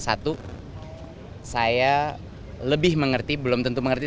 satu saya lebih mengerti belum tentu mengerti